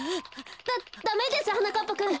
ダダメですはなかっぱくん。